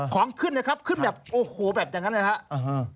ของขึ้นนะครับขึ้นแบบโอ้โหแบบอย่างนั้นนะครับ